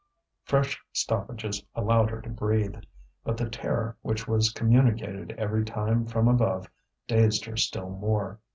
Fresh stoppages allowed her to breathe. But the terror which was communicated every time from above dazed her still more.